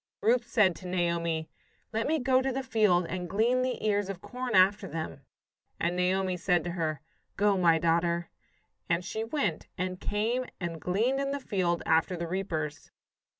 Ruth said to Naomi: "Let me go to the field and glean the ears of corn after them." And Naomi said to her, "Go, my daughter." And she went, and came and gleaned in the field after the reapers.